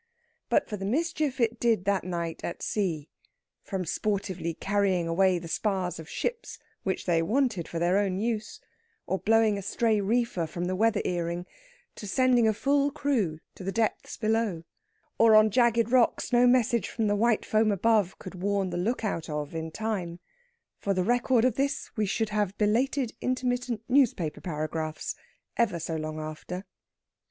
But for the mischief it did that night at sea, from sportively carrying away the spars of ships, which they wanted for their own use, or blowing a stray reefer from the weather earring, to sending a full crew to the depths below, or on jagged rocks no message from the white foam above could warn the look out of in time for the record of this we should have belated intermittent newspaper paragraphs, ever so long after.